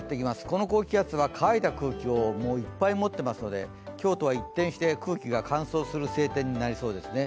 この高気圧は乾いた空気をいっぱい持ってますので今日とは一転して空気が乾燥する晴天になりそうですね。